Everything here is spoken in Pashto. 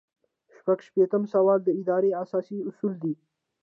شپږ شپیتم سوال د ادارې اساسي اصول دي.